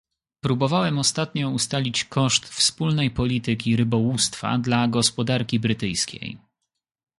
Próbowałem ostatnio ustalić koszt wspólnej polityki rybołówstwa dla gospodarki brytyjskiej